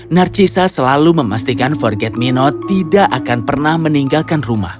narcisa selalu memastikan forget me not tidak akan pernah meninggalkan rumah